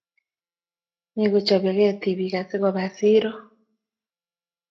mi kochabegei tibiik asigoba siiro